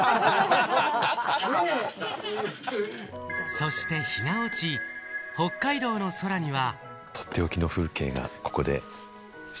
そして日が落ち、北海道の空には。